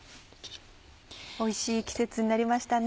おいしい季節になりましたね。